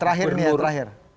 terakhir nih ya terakhir